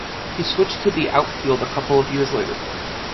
He switched to the outfield a couple of years later.